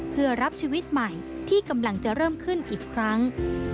เพื่อรับชีวิตใหม่ที่กำลังจะเริ่มขึ้นอีกครั้ง